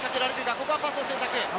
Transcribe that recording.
ここはパスを選択！